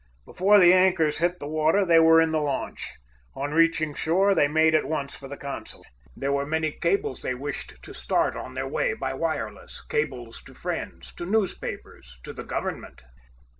Before the anchors hit the water, they were in the launch. On reaching shore, they made at once for the consulate. There were many cables they wished to start on their way by wireless; cables to friends, to newspapers, to the government.